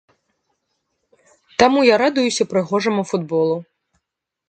Таму я радуюся прыгожаму футболу.